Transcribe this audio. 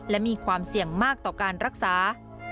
และมีความเสี่ยงมากต่อการรักษา